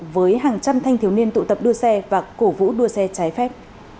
với hàng trăm thanh thiếu niên tụ tập đua xe và cổ vũ đua xe trái phép